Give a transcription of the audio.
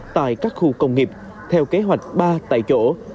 tại các khu công nghiệp theo kế hoạch ba tại chỗ